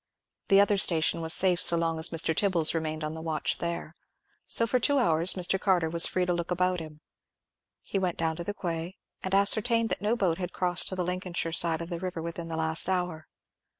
The other station was safe so long as Mr. Tibbles remained on the watch there; so for two hours Mr. Carter was free to look about him. He went down to the quay, and ascertained that no boat had crossed to the Lincolnshire side of the river within the last hour.